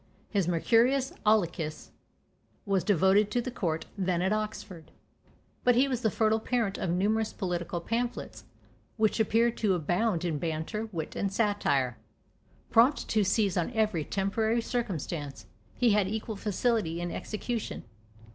His "Mercurius Aulicus" was devoted to the court, then at Oxford. But he was the fertile parent of numerous political pamphlets, which appear to abound in banter, wit, and satire. Prompt to seize on every temporary circumstance, he had equal facility in execution.